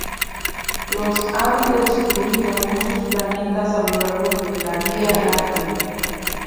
Los han destruido muchos planetas a lo largo de la Vía Láctea.